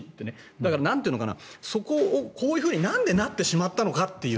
だから、そこがこういうふうになんでなってしまったのかっていう。